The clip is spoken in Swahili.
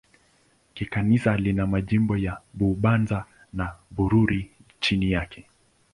Kikanisa lina majimbo ya Bubanza na Bururi chini yake.